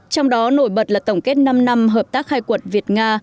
trong đó nổi bật là tổng kết năm năm hợp tác khai quật việt nga